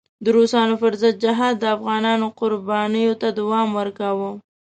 د روسانو پر ضد جهاد د افغانانو قربانیو ته دوام ورکاوه.